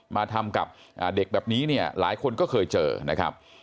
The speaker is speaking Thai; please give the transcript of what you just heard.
มาทำกับเด็กแบบนี้เนี่ยหลายคนก็เคยเจอนะครับ